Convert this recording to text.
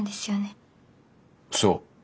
そう。